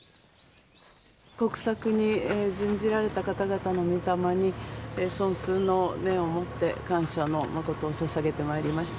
国策に殉じられた方々の御霊に尊崇の念を持って、感謝の誠をささげてまいりました。